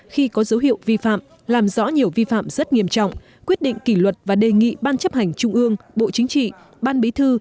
khi có dấu hiệu vi phạm làm rõ nhiều vi phạm rất nghiêm trọng quyết định kỷ luật và đề nghị ban chấp hành trung ương bộ chính trị ban bí thư